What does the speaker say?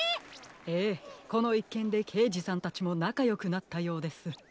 ええこのいっけんでけいじさんたちもなかよくなったようです。